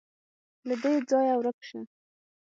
_له دې ځايه ورک شه.